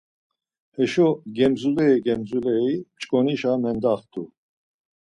Heşo gemzuleri gemzuleri mç̌ǩonişa mendaxtu.